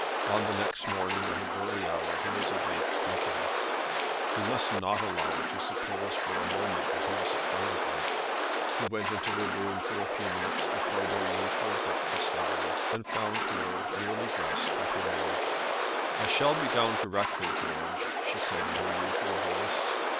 On the next morning at an early hour he was awake thinking. He must not allow her to suppose for a moment that he was afraid of her. He went into her room a few minutes before their usual breakfast hour, and found her, nearly dressed, with her maid. "I shall be down directly, George," she said in her usual voice.